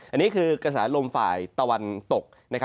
อันนี้คือกระแสลมฝ่ายตะวันตก